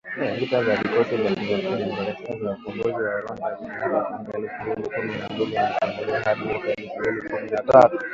Vita vya Vikosi vya Kidemokrasia vya Ukombozi wa Rwanda vilianza mwaka elfu mbili kumi na mbili na kuendelea hadi mwaka elfu mbili kumi na tatu.